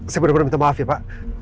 saya benar benar minta maaf ya pak